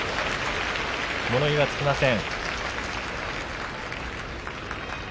物言いはつきません。